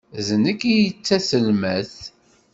D nekk ay d taselmadt.